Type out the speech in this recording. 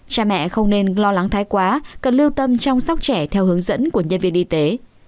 cha mẹ không nên lo lắng thái quá cần lưu tâm chăm sóc trẻ theo hướng dẫn của nhân viên y tế